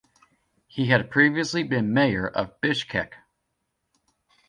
He had previously been Mayor of Bishkek.